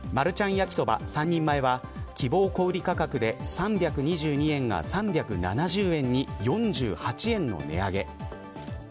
焼きそば３人前は希望小売り価格で３２２円が３７０円に４８円の値上げ。